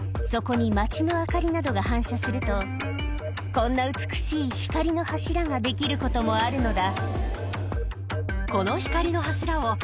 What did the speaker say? こんな美しい光の柱ができることもあるのだ